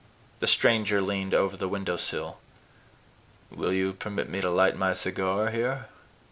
The stranger leaned over the window sill. "Will you permit me to light my cigar here?